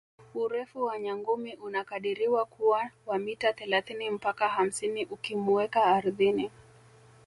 Urefu wa nyangumi unakadiriwa kuwa wa mita thelathini mpaka hamsini ukimuweka ardhini